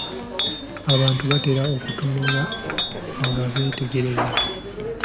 Abantu batera okutunula nga beetegereza.